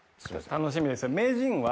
楽しみですよ名人は。